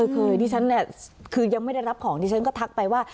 เคยที่ฉันคือยังไม่ได้รับของที่ฉันก็ทักไปว่า